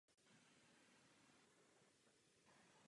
Děkuji vám za pochopení.